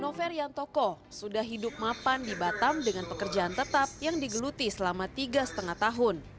nove riantoko sudah hidup mapan di batam dengan pekerjaan tetap yang digeluti selama tiga lima tahun